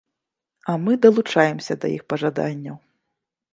А мы далучаемся да іх пажаданняў!